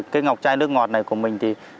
cái ngọc chai nước ngọt này của mình thì